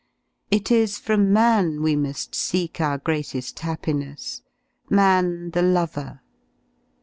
It is from man we mubT: seek our greater happiness, man the lover.